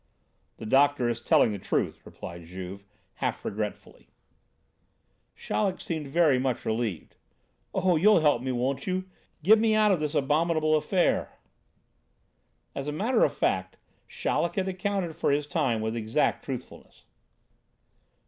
"The doctor is telling the truth," replied Juve, half regretfully. Chaleck seemed very much relieved. "Oh, you'll help me, won't you? Get me out of this abominable affair!" As a matter of fact, Chaleck had accounted for his time with exact truthfulness.